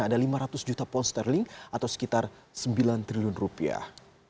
ada lima ratus juta pound sterling atau sekitar sembilan triliun rupiah